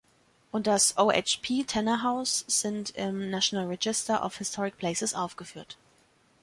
Und das O.H.P. Tanner House sind im National Register of Historic Places aufgeführt.